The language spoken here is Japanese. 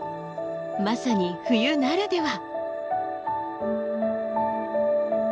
まさに冬ならでは！